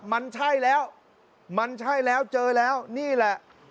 มันใช่แล้วมันใช่แล้วเจอแล้วนี่แหละ